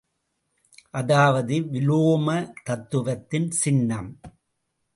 அதாவது, விலோம தத்துவத்தின் சின்னம்.